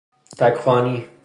تک خوانی